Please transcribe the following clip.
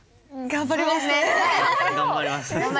頑張ります。